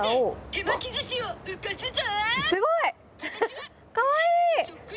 「手巻き寿司を浮かすゾ！」